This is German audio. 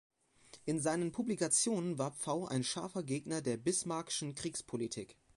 In seinen Publikationen war Pfau ein scharfer Gegner der Bismarckschen Kriegspolitik.